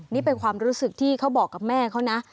นี่เป็นความรู้สึกที่เขาบอกกับแม่เขานะ